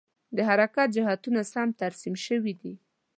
د حرکت جهتونه سم ترسیم شوي دي؟